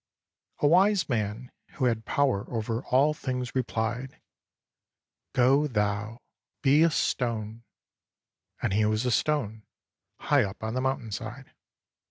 A wise man who had power over all things replied, " Go thou, be a stone." And he was a stone, high up on the mountain side.